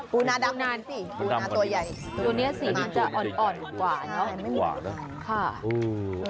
ปูนานตัวใหญ่ตัวนี้สิจะอ่อนกว่าเนาะ